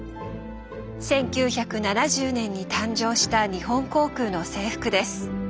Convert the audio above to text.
１９７０年に誕生した日本航空の制服です。